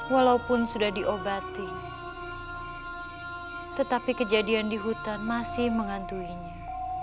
walaupun sudah diobati tetapi kejadian di hutan masih mengantuinya